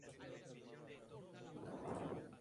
El condado forma parte del área metropolitana de Atlanta.